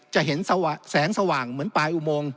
จะเห็นแสงสว่างเหมือนปลายอุโมง